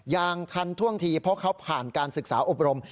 อย่างทันท่วงทีเพราะเขาผ่านการศึกษาอบรม